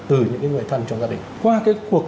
từ những người thân trong gia đình qua cái cuộc